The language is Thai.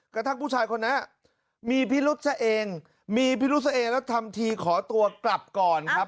แต่ถ้าผู้ชายคนนี้มีพี่รุจอาเองมีพี่รุจอาเองแล้วทำที่ขอตัวกลับก่อนครับ